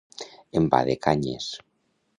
Envà de canyes.